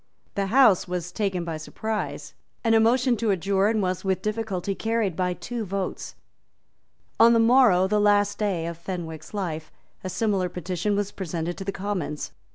The House was taken by surprise; and a motion to adjourn was with difficulty carried by two votes. On the morrow, the last day of Fenwick's life, a similar petition was presented to the Commons.